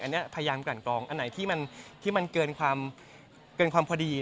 อันนี้พยายามกันกรองอันไหนที่มันเกินความพอดี